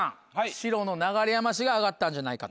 白の流山市が上がったんじゃないかと。